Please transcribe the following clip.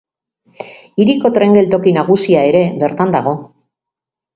Hiriko tren geltoki nagusia ere bertan dago.